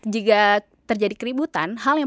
jika terjadi keributan hal yang